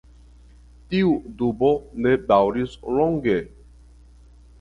Tiu dubo ne daŭris longe.